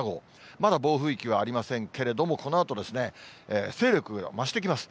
まだ暴風域はありませんけれども、このあと、勢力が増してきます。